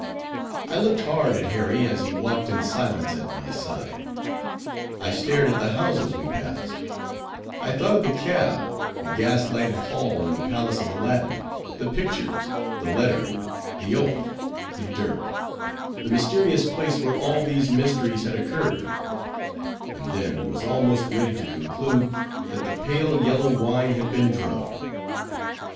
I looked hard at Harry as he walked in silence at my side; I stared at the houses we passed; I thought of the cab, the gas lighted hall in the Palace of Aladdin, the pictures, the letter, the oath, the dirk; the mysterious place where all these mysteries had occurred; and then, was almost ready to conclude, that the pale yellow wine had been drugged.